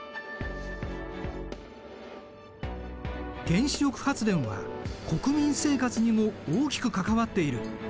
原子力発電は国民生活にも大きく関わっている。